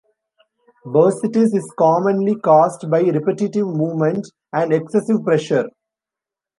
Bursitis is commonly caused by repetitive movement and excessive pressure.